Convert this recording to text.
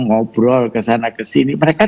ngobrol kesana kesini mereka